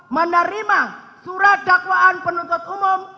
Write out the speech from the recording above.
menerima surat dakwaan penuntut umum